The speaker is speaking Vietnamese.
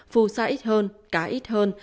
phù sa ít hơn cá ít hơn